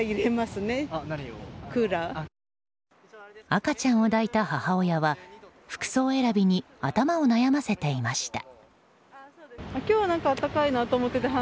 赤ちゃんを抱いた母親は服装選びに頭を悩ませていました。